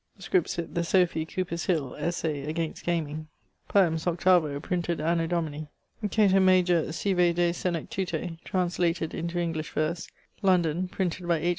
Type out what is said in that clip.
Scripsit the Sophy: Cowper's Hill: Essay against Gameing: Poems, 8vo, printed anno Domini ...; Cato Major sive De Senectute, translated into English verse, London, printed by H.